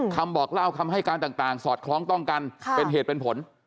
คำบอกเล่าคำให้การต่างสอดคล้องต้องกันเป็นเหตุเป็นผล